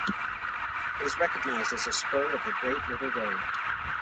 It is recognized as a spur of the Great River Road.